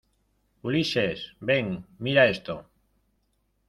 Ulises, ven. mira esto .